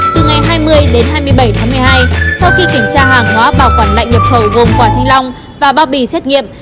từ ngày hai mươi đến hai mươi bảy tháng một mươi hai sau khi kiểm tra hàng hóa bảo quản lạnh nhập khẩu gồm quả thanh long và bao bì xét nghiệm